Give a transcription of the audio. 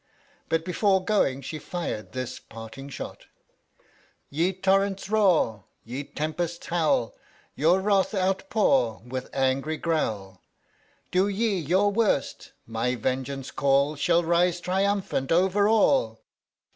But before going she fired this parting shot: Ye torrents roar, Ye tempests howl, Your wrath outpour With angry growl, Do ye your worst my vengeance call Shall rise triumphant over all!